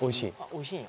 おいしい？